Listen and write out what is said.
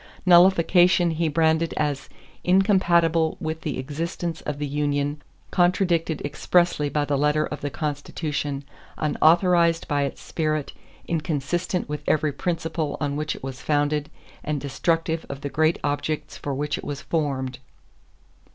Nullification he branded as "incompatible with the existence of the union, contradicted expressly by the letter of the Constitution, unauthorized by its spirit, inconsistent with every principle on which it was founded, and destructive of the great objects for which it was formed."